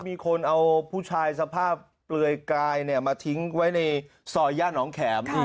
มีคนเอาผู้ชายสภาพเปลือยกายมาทิ้งไว้ในซอยย่าน้องแข็ม